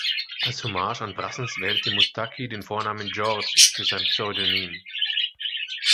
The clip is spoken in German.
Als Hommage an Brassens wählte Moustaki den Vornamen Georges für sein Pseudonym.